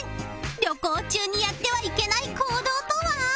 旅行中にやってはいけない行動とは？